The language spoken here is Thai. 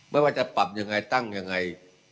ไม่ต้องจะปรับอยากนำยังให้ตั้งอย่างไร